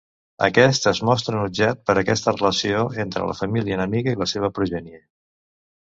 Aquest es mostra enutjat per aquesta relació entre la família enemiga i la seva progènie.